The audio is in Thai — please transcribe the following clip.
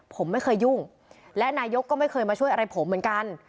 ผมไม่เคยยุ่งและนายกก็ไม่เคยมาช่วยอะไรผมเหมือนกัน